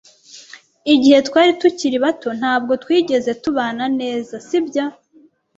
Igihe twari tukiri bato, ntabwo twigeze tubana neza, sibyo?